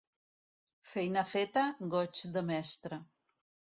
Feina feta, goig de mestre.